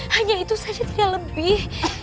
hanya itu saja tiga lebih